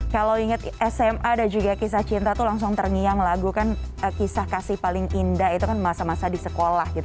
kalau inget sma dan juga kisah cinta tuh langsung terngiang lagu kan kisah kasih paling indah itu kan masa masa di sekolah gitu